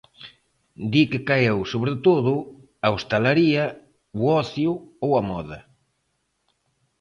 Di que caeu sobre todo a hostalería, o ocio ou a moda.